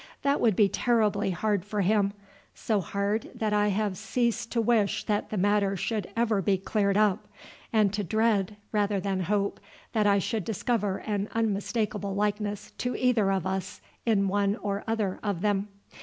That would be terribly hard for him so hard that I have ceased to wish that the matter should ever be cleared up, and to dread rather than hope that I should discover an unmistakable likeness to either of us in one or other of them."